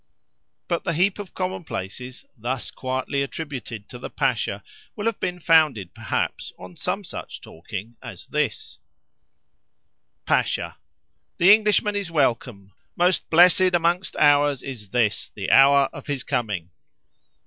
But the heap of commonplaces thus quietly attributed to the Pasha will have been founded perhaps on some such talking as this:— Pasha.—The Englishman is welcome; most blessed among hours is this, the hour of his coming.